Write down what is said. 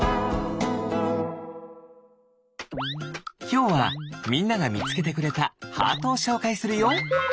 きょうはみんながみつけてくれたハートをしょうかいするよ。